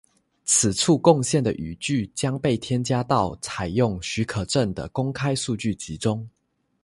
此处贡献的语句将被添加到采用许可证的公开数据集中。